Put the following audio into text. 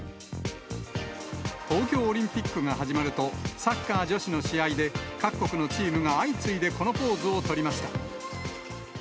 東京オリンピックが始まると、サッカー女子の試合で、各国のチームが相次いでこのポーズを取りました。